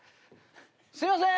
すいません！